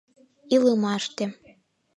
Илымаште